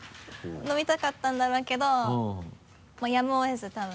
伸びたかったんだろうけどやむを得ず多分。